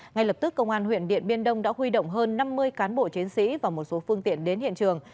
ngay lập tức công an huyện điện biên đông đã huy động hơn năm mươi cán bộ chiến sĩ và một số phương tiện đến hiện trường